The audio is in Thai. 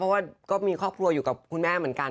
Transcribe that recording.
เพราะว่าก็มีครอบครัวอยู่กับคุณแม่เหมือนกัน